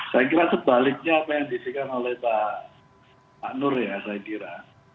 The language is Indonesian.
saya kira sebaliknya apa yang disikan oleh pak nur ya saya kira